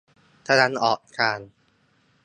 ตะวันออกกลาง